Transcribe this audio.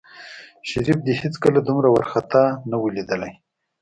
شريف دى هېڅکله دومره وارخطا نه و ليدلى.